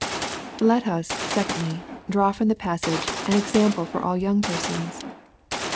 Let us, secondly, draw from the passage, an example for ail young persons.